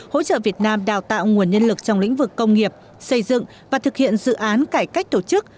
hỗ trợ việt nam đào tạo nguồn nhân lực trong lĩnh vực công nghiệp xây dựng và thực hiện dự án cải cách tổ chức